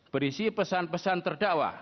berisi pesan pesan terdakwa